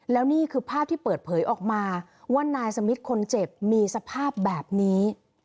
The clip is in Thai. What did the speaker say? แล้วนี่คือภาพที่เปิดเผยออกมาว่านายสมิทคนเจ็บมีสภาพแบบนี้